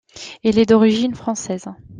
Il est d'origine française.